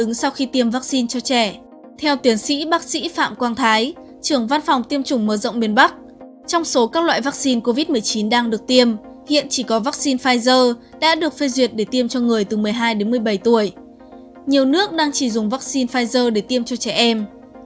nhiều nước đang chỉ dùng vắc xin pfizer để tiêm cho trẻ em